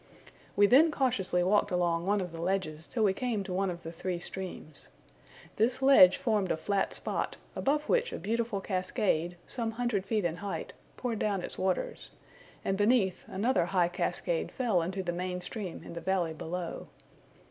We then cautiously walked along one of the ledges till we came to one of the three streams. This ledge formed a flat spot, above which a beautiful cascade, some hundred feet in height, poured down its waters, and beneath, another high cascade fell into the main stream in the valley below.